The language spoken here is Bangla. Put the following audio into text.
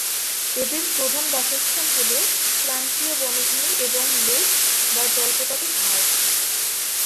এদের প্রধান বাসস্থান হল ক্রান্তীয় বনভূমি এবং লেক বা জলপ্রপাতের ধার।